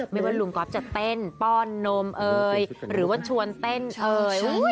ไม่ว่าลุงก๊อฟจะเต้นป้อนนมเอยหรือว่าชวนเต้นเอ่ย